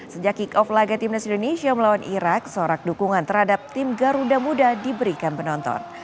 sejak kick off laga timnas indonesia melawan irak sorak dukungan terhadap tim garuda muda diberikan penonton